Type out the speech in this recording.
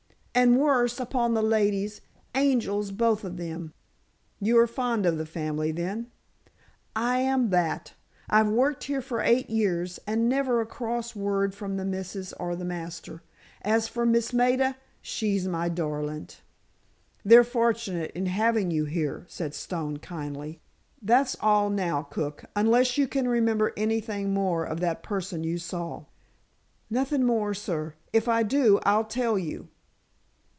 And worse, upon the ladies—angels, both of them!" "You are fond of the family, then?" "I am that! I've worked here for eight years, and never a cross word from the missus or the master. As for Miss Maida—she's my darlint." "They're fortunate in having you here," said Stone, kindly. "That's all, now, cook, unless you can remember anything more of that person you saw." "Nothin' more, sor. If I do, I'll tell you."